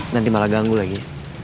nanti malah ganggu lagi